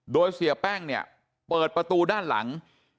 โดยเสียแป้งเนี่ยเปิดประตูด้านหลัง